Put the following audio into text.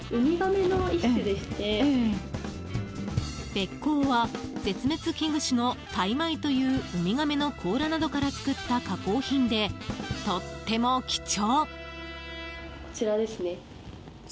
べっこうは絶滅危惧種のタイマイというウミガメの甲羅などから作った加工品で、とっても貴重。